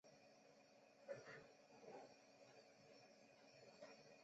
尾柄处在纵带上方形成一黄色斑。